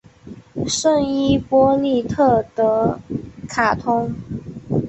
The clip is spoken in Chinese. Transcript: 圣伊波利特德卡通。